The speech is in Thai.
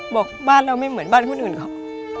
บอกบ้านเราไม่เหมือนบ้านคนอื่นเขา